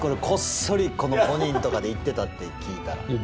こっそりこの５人とかで行ってたって聞いたら。